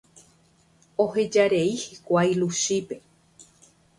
Ohejarei hikuái Luchípe.